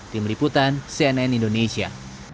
tim liputan cnn indonesia